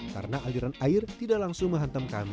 karena aliran air tidak langsung menghantam kami